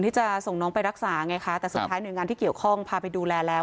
ที่จะส่งน้องไปรักษาไงคะแต่สุดท้ายหน่วยงานที่เกี่ยวข้องพาไปดูแลแล้ว